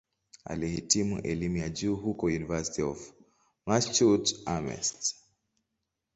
Alihitimu elimu ya juu huko "University of Massachusetts-Amherst".